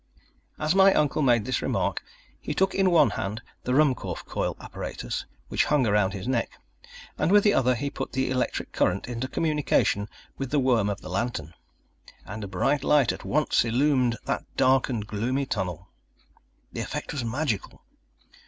As my uncle made this remark, he took in one hand the Ruhmkorff coil apparatus, which hung round his neck, and with the other he put the electric current into communication with the worm of the lantern. And a bright light at once illumined that dark and gloomy tunnel! The effect was magical!